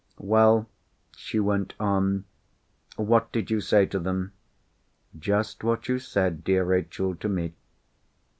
"Well?" she went on. "What did you say to them?" "Just what you said, dear Rachel, to me."